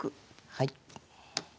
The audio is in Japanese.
はい。